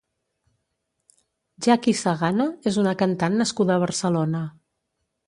Jackie Sagana és una cantant nascuda a Barcelona.